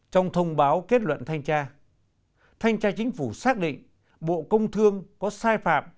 trong thông báo kết luận thanh tra thanh tra chính phủ xác định bộ công thương có sai phạm